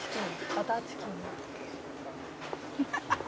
バターチキン」